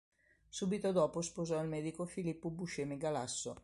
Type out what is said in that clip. Subito dopo sposò il medico Filippo Buscemi Galasso.